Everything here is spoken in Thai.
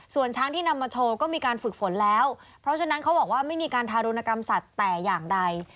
ส่วนช้างที่นำมาโชว์ก็มีการฝึกฝนแล้วเพราะฉะนั้นเขาบอกว่าไม่มีการทารุณกรรมสัตว์แต่อย่างใด